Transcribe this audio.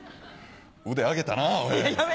腕上げたなおい。